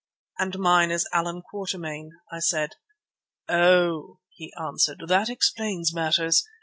"And mine is Allan Quatermain," I said. "Oh!" he answered, "that explains matters.